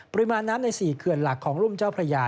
ปริมาณน้ำใน๔เขื่อนหลักของรุ่มเจ้าพระยา